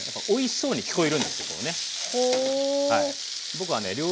おいしそうに聞こえるんですこうね。